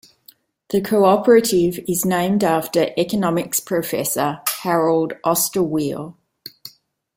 The cooperative is named after Economics professor Harold Osterweil.